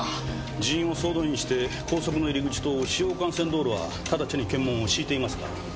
人員を総動員して高速の入り口と主要幹線道路はただちに検問を敷いていますが。